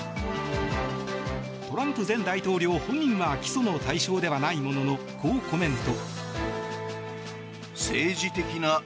トランプ前大統領本人は起訴の対象ではないもののこうコメント。